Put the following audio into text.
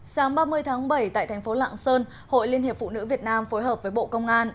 sáng ba mươi tháng bảy tại thành phố lạng sơn hội liên hiệp phụ nữ việt nam phối hợp với bộ công an